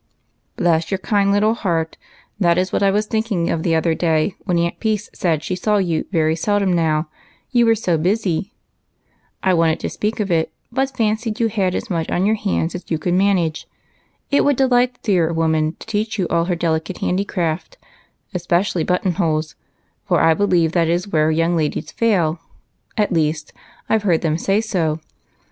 Bless your kind little heart, that is what I was thinking of the other day when Aunt Peace said she saw you very seldom now, you were so busy. I wanted to speak of it, but fancied you had as much on your hands as you could manage. It would delight the dear woman to teach you all her delicate handicraft, especially button holes, for I believe that is where young ladies fail ; at least I 've heard them say so.